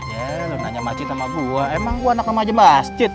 ya lo nanya masjid sama gua emang gua anak nama aja masjid